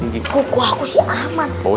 gigi kuku aku si aman